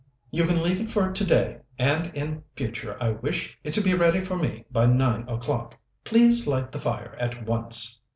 "You can leave it for today, and in future I wish it to be ready for me by nine o'clock. Please light the fire at once."